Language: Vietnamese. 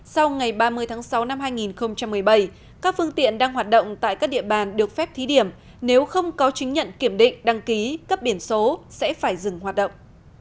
sau ngày ba mươi tháng sáu năm hai nghìn một mươi bảy các phương tiện đang hoạt động tại các địa bàn được phép thí điểm nếu không có chứng nhận kiểm định đăng ký cấp biển số sẽ phải dừng hoạt động